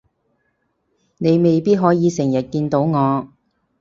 你未必可以成日見到我